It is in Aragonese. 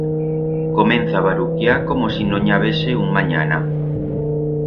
Comenza a baruquiar como si no n'i habese un manyana.